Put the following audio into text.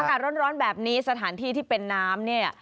อากาศร้อนแบบนี้สถานที่ที่เป็นน้ำเนี่ย